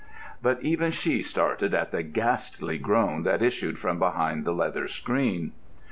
But even she started at the ghastly groan which issued from behind the leather screen.